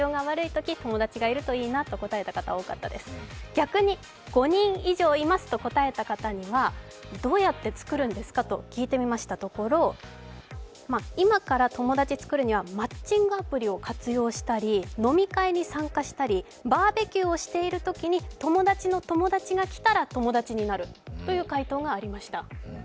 逆に５人以上いますと答えた方にはどうやって作るんですかと聞いてみましたところ、今から友達作るにはマッチングアプリを活用したり、飲み会に参加したりバーベキューをしているときに友達の友達が来たら友達になるという回答がありました。